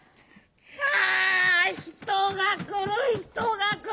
さあ人がくる人がくる！